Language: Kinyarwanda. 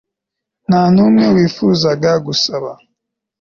nta n'umwe wifuzaga gusaba